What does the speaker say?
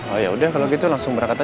oh yaudah kalo gitu langsung berangkat aja